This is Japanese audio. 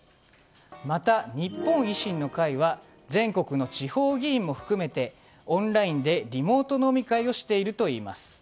また日本維新の会は全国の地方議員も含めてオンラインでリモート飲み会をしているといいます。